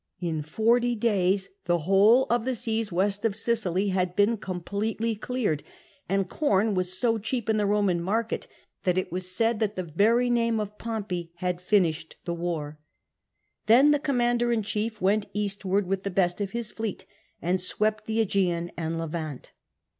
In forty days the whole of the seas west of Sicily had been completely cleared, and corn was so cheap in the Roman market that it was said that the very name of Pom pey had finished the war. Then the commander in chief went eastward with the best of his fleet, and swept the jEgean and Levant.